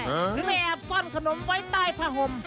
หรือแอบซ่อนขนมไว้ใต้ผ้าห่ม